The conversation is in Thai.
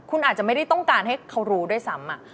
คุณอาจจะไม่ได้ต้องการให้เขารู้ด้วยซ้ำ